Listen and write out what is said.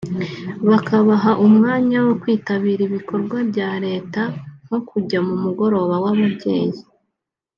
bakabaha umwanya wo kwitabira ibikorwa bya Leta nko kujya mu mugoroba w’ababyeyi